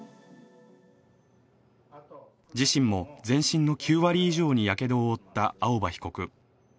自身も全身の９割以上にやけどを負った青葉被告。